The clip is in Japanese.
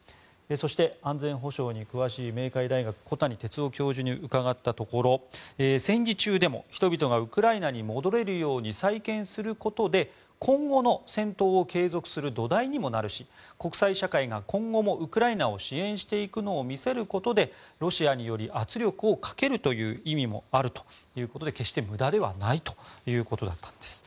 そして、安全保障に詳しい明海大学、小谷哲男教授に伺ったところ戦時中でも人々がウクライナに戻れるように再建することで今後の戦闘を継続する土台にもなるし国際社会が今後もウクライナを支援していくのを見せることでロシアにより圧力をかけるという意味もあるということで決して無駄ではないということだったんです。